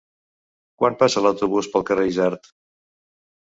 Quan passa l'autobús pel carrer Isard?